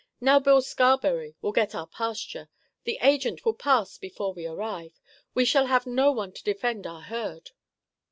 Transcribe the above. "Now Bill Scarberry will get our pasture. The Agent will pass before we arrive. We shall have no one to defend our herd."